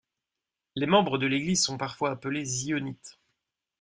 Les membres de l'Église sont parfois appelés zionites.